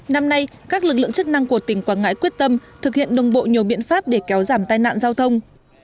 năm nay các lực lượng chức năng của tỉnh quảng ngãi quyết tâm thực hiện đồng bộ nhiều biện pháp để kéo giảm tai nạn giao thông